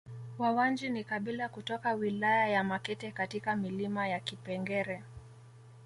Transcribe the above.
Wawanji ni kabila kutoka wilaya ya Makete katika milima ya Kipengere